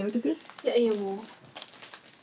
いやいいよもう。